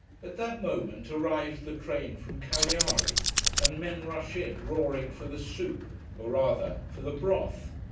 At that moment arrives the train from Cagliari, and men rush in, roaring for the soup or rather, for the broth.